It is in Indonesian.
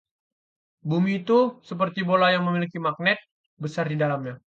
Bumi itu seperti bola yang memiliki magnet besar di dalamnya.